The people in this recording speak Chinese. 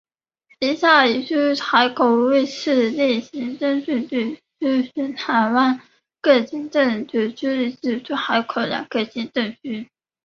以下依出海口位置逆时针顺序列出全台湾各行政区独立水系及其出海口两侧行政区。